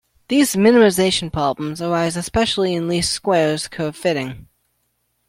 These minimization problems arise especially in least squares curve fitting.